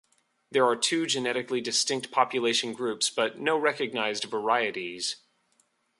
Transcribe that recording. There are two genetically distinct population groups, but no recognised varieties.